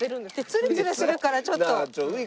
ツルツルするからちょっと。